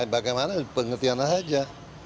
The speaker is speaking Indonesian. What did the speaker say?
bagaimana pengertianlah saja